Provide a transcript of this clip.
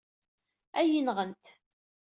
Ad iyi-nɣent.